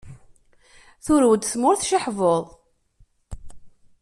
Turew-d tmurt ciḥbuḍ.